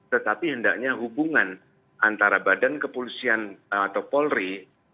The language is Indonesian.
tetapi hendaknya hubungan antara badan kepolisian atau polri